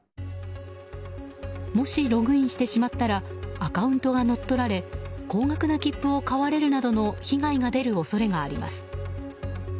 もしログインしてしまったらアカウントが乗っ取られ高額な切符を買われるなどの被害が出る恐れがあります。